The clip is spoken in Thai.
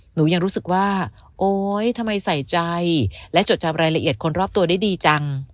หนูยังรู้สึกว่าโอ๊ยทำไมใส่ใจและจดจำรายละเอียดคนรอบตัวได้ดีจัง